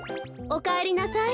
おかえりなさい。